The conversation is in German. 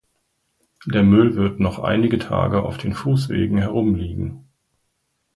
Der Müll wird noch einige Tage auf den Fußwegen herumliegen.